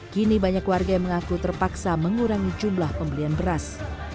kini banyak warga yang mengaku terpaksa mengurangi jumlah pembelian beras